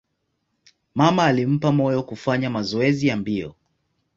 Mama alimpa moyo kufanya mazoezi ya mbio.